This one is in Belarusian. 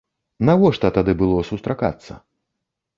Навошта тады было сустракацца?